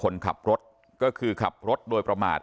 คนขับรถก็คือขับรถโดยประมาท